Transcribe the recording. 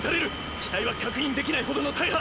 機体は確認できないほどの大破。